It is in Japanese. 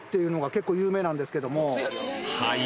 はい？